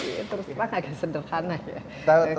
terus terang agak sederhana ya